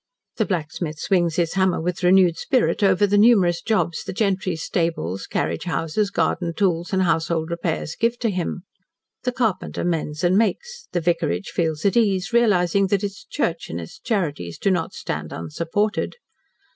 The blacksmith swings his hammer with renewed spirit over the numerous jobs the gentry's stables, carriage houses, garden tools, and household repairs give to him. The carpenter mends and makes, the vicarage feels at ease, realising that its church and its charities do not stand unsupported.